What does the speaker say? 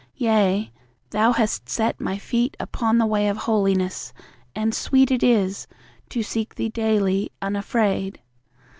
Yea, Thou hast set my feet Upon the way of holiness, and sweet It is, to seek Thee daily, unafraid